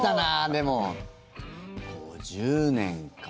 でも、５０年か。